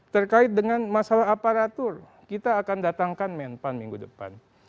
terkait dengan masalah aparatur kita akan datangkan menpan minggu depan